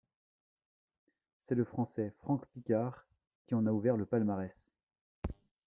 C’est le Français Franck Piccard qui en a ouvert le palmarès.